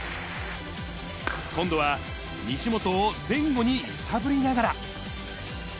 今度は西本を前後に揺さぶりながら。